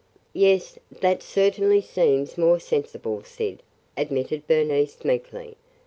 "Yes, that certainly seems more sensible, Syd," admitted Bernice meekly.